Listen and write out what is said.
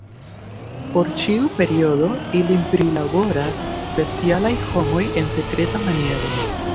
Por ĉiu periodo ilin prilaboras specialaj homoj en sekreta maniero.